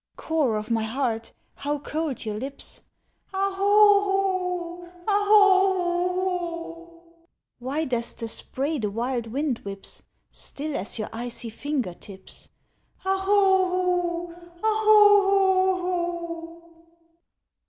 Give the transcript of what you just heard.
Core of my heart! How cold your lips! "O hoho, O hoho o o!" White as the spray the wild wind whips, Still as your icy finger tips! "O hoho, O hoho o o!"